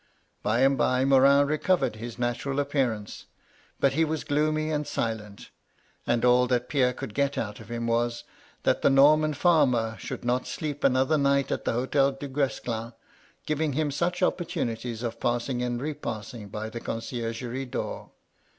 By and by Morin recovered his natural appearance; but he was gloomy and silent; and all that Pierre could get out of him was, that the Norman farmer should not sleep another night at the Hotel Dugues clin, giving him such opportunities of passing and repassing by the conciergerie door.